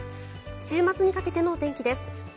週末にかけてのお天気です。